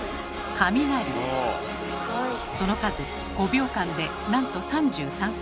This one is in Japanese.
その数５秒間でなんと３３回。